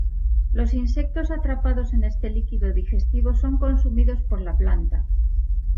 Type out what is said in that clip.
Los insectos atrapados en este líquido digestivo son consumidos por la planta.